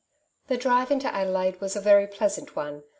The drive into Adelaide was a very pleasant one.